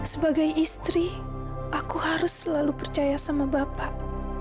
sebagai istri aku harus selalu percaya sama bapak